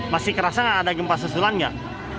masih kerasa gak ada gempa susulan gak